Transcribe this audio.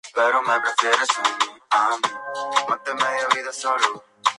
La empresa recibe su nombre de una antigua empresa ferroviaria.